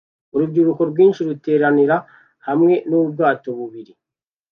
Urubyiruko rwinshi ruteranira hamwe nubwato bubiri